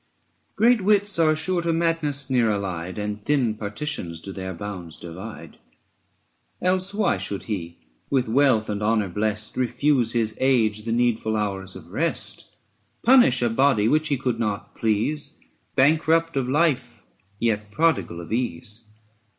Great wits are sure to madness near allied And thin partitions do their bounds divide; Else, why should he, with wealth and honour blest, 165 Refuse his age the needful hours of rest ? Punish a body which he could not please, Bankrupt of life, yet prodigal of ease